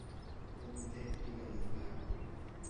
এর মধ্যে একটি গালি ভয়াবহ।